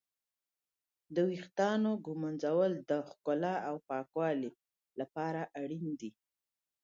د ويښتانو ږمنځول د ښکلا او پاکوالي لپاره اړين دي.